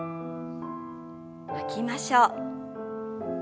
吐きましょう。